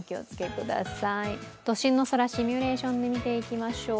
都心の空、シミュレーションで見ていきましょう。